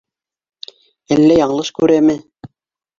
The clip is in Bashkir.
Әллә яңылыш күрәме?